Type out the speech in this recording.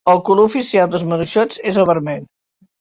El color oficial dels Maduixots és el vermell.